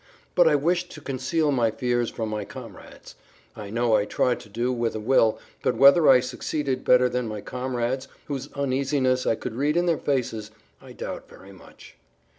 But I wished to conceal my fears from my comrades. I know I tried to with a will, but whether I succeeded better than my comrades, whose uneasiness I could read in their faces, I doubt very much.